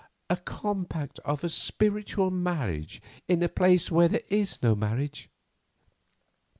"A compact of a spiritual marriage in a place where there is no marriage.